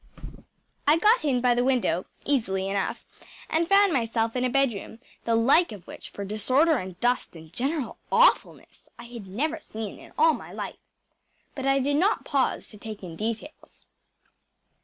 I got in by the window easily enough, and found myself in a bedroom the like of which for disorder and dust and general awfulness I had never seen in all my life. But I did not pause to take in details.